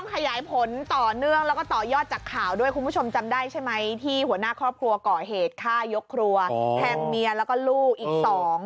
ขยายผลต่อเนื่องแล้วก็ต่อยอดจากข่าวด้วยคุณผู้ชมจำได้ใช่ไหมที่หัวหน้าครอบครัวก่อเหตุฆ่ายกครัวแทงเมียแล้วก็ลูกอีก๒